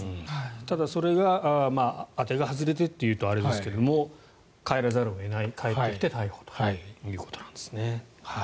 ただ、それが当てが外れてと言うとあれですが帰らざるを得ない帰ってきて逮捕ということですね。